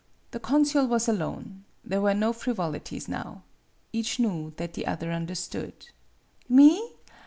The consul was alone. There were no frivolities now. Each knew that the other understood. " Me